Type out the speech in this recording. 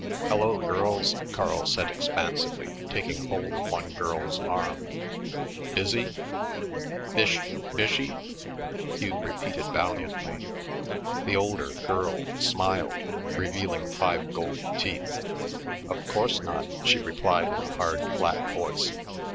"Hello, girls," Carl said expansively, taking hold of one girl's arm. "Busy?" "Bish bishy?" Hugh repeated valiantly. The older "girl" smiled, revealing five gold teeth. "Of course not," she replied in a hard, flat voice.